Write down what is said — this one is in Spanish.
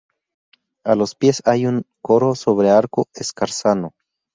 A los pies hay un coro sobre arco escarzano.